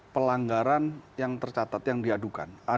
pelanggaran yang tercatat yang diadukan itu adalah pelanggaran